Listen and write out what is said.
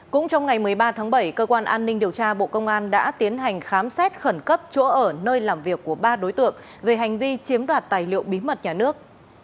cũng trong ngày một mươi ba tháng bảy cơ quan an ninh điều tra bộ công an đã tiến hành khám xét khẩn cấp chỗ ở nơi làm việc của ba đối tượng về hành vi chiếm đoạt tài liệu bí mật nhà nước